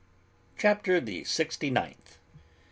CHAPTER THE SIXTY NINTH.